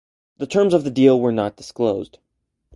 The terms of the deal were not disclosed.